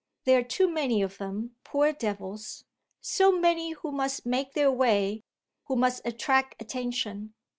There are too many of them, poor devils; so many who must make their way, who must attract attention.